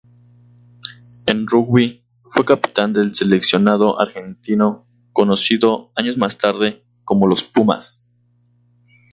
En rugby fue capitán del seleccionado argentino, conocido años más tarde como Los Pumas.